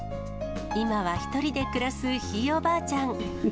今は１人で暮らすひいおばあちゃん。